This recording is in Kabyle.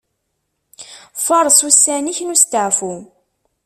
Faṛes ussan-ik n usteɛfu.